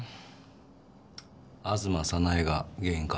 吾妻早苗が原因か？